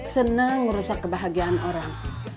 senang merusak kebahagiaan orang